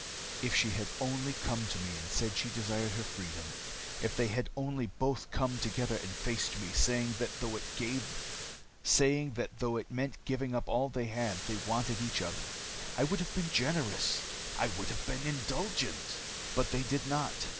"If she had only come to me and said she desired her freedom. If they had only both come together and faced me, saying that though it meant giving up all they had, they wanted only each other! I would have been generous. I would have been indulgent. But they did not.